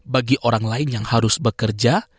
bagi orang lain yang harus bekerja